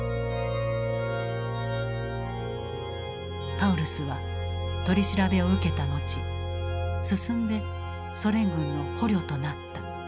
パウルスは取り調べを受けた後進んでソ連軍の捕虜となった。